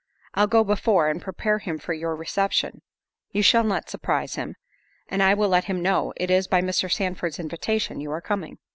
I'll go before, and prepare him for your reception—you shall not surprise him—and I will let him know, it is by Mr. Sandford's invitation you are coming."